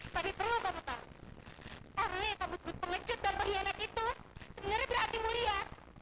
tapi perlu kamu tahu karena yang kamu sebut pengecut dan pengkhianat itu sebenarnya berarti mulia